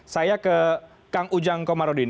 saya ke kang ujang komarudin